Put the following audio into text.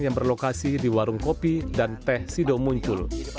yang berlokasi di warung kopi dan teh sido muncul